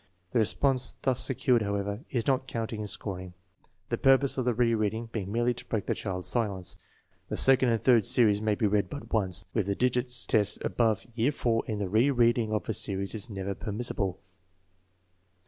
The response thus secured, however, is not counted in scoring, the pur pose of the re reading being merely to break the child's silence. The second and third series may be read but once. With the digits tests above year IV the re reading of a series is never permissible.